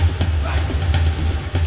ikut foto ibu saya satu satunya